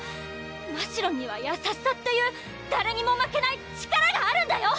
ましろんには優しさっていう誰にも負けない力があるんだよ！